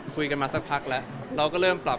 คุยกันมาสักพักแล้วเราก็เริ่มปรับ